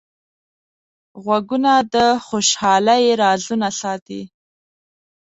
غوږونه د خوشحالۍ رازونه ساتي